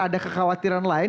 ada kekhawatiran lain